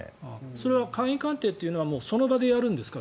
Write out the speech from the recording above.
それは簡易鑑定というのはその場でやるんですか？